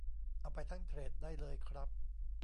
เอาไปทั้งเธรดได้เลยครับ